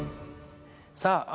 さあ